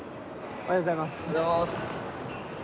おはようございます。